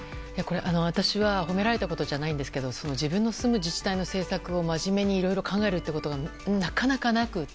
私は褒められたことじゃないんですけど自分の住む自治体の政策を真面目にいろいろと考えるということがなかなかなくて。